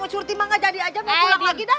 surti mah gak jadi aja mau pulang lagi dah